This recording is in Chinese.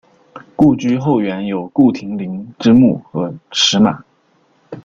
故居后园有顾亭林之墓和石马。